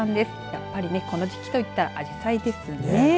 やっぱりね、この時期といったらあじさいですね。